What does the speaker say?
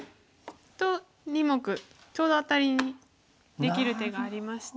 と２目ちょうどアタリにできる手がありまして。